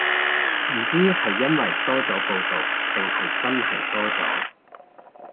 唔知係因為多咗報導定係真係多咗